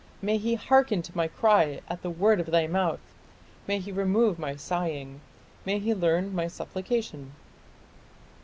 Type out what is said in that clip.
May he hearken to my cry at the word of thy mouth; may he remove my sighing, may he learn my supplication!